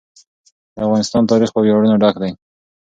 د افغانستان تاریخ په ویاړونو ډک دی.